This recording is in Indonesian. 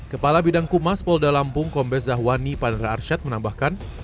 kepala bidang kumas polda lampung kombes zahwani pandra arsyad menambahkan